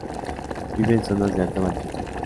Vive en zonas de alta altitud.